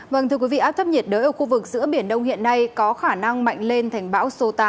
vâng thưa quý vị áp thấp nhiệt đới ở khu vực giữa biển đông hiện nay có khả năng mạnh lên thành bão số tám